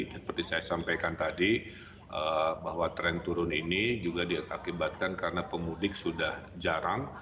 seperti saya sampaikan tadi bahwa tren turun ini juga diakibatkan karena pemudik sudah jarang